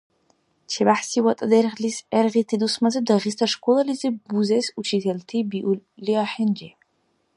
ЧебяхӀси ВатӀа дергълис гӀергъити дусмазиб Дагъиста школабазиб бузес учителти биули ахӀенри.